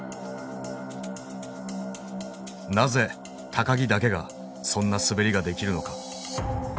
なぜ木だけがそんな滑りができるのか。